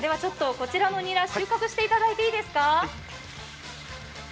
こちらのニラ、収穫していただいていいですか。